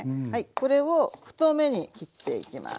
これを太めに切っていきます。